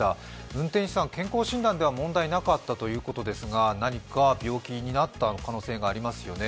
運転手さん、健康診断では問題なかったということですが、何か病気になった可能性がありますよね。